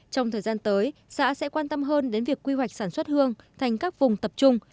trong thời gian tới xã sẽ quan tâm hơn đến việc quy hoạch sản xuất hương thành các vùng tập trung